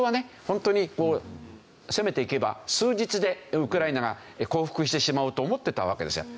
ホントにこう攻めていけば数日でウクライナが降伏してしまうと思ってたわけですよ。